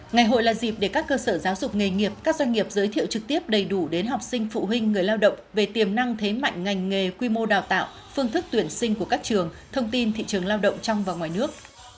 ngày hội là dịp để các cơ sở giáo dục nghề nghiệp các doanh nghiệp giới thiệu trực tiếp đầy đủ đến học sinh phụ huynh người lao động về tiềm năng thế mạnh ngành nghề quy mô đào tạo phương thức tuyển sinh của các trường thông tin thị trường lao động trong và ngoài nước